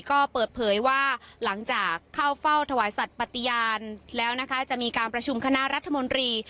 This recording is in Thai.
ก็เปิดเผยว่าหลังจากเข้าเฝ้าถวายสัตว์ปฏิญาณแล้วนะคะจะมีการประชุมคณะรัฐมนตรี